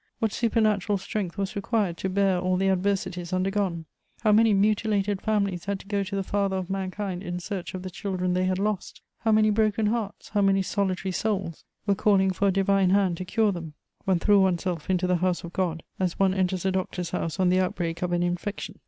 What supernatural strength was required to bear all the adversities undergone! How many mutilated families had to go to the Father of mankind in search of the children they had lost! How many broken hearts, how many solitary souls, were calling for a divine hand to cure them! One threw one's self into the house of God, as one enters a doctor's house on the outbreak of an infection.